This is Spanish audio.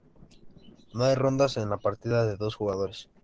No hay rondas en la partida de dos jugadores.